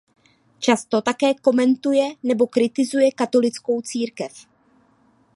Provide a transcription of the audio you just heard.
Často také komentuje nebo kritizuje Katolickou církev.